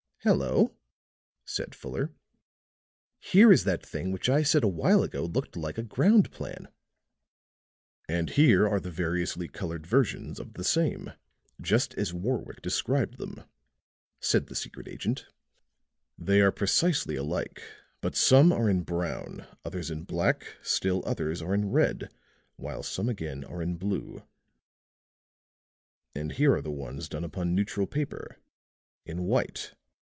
"Hello," said Fuller, "here is that thing which I said a while ago looked like a ground plan." "And here are the variously colored versions of the same, just as Warwick described them," said the secret agent. "They are precisely alike, but some are in brown, others in black, still others are in red, while some again are in blue. And here are the ones done upon neutral paper, in white."